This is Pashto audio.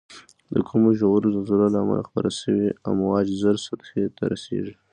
د کمو ژورو زلزلو له امله خپاره شوی امواج زر سطحې ته رسیږي.